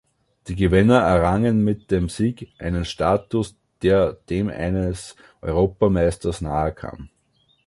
Die Gewinner errangen mit dem Sieg einen Status, der dem eines Europameisters nahekam.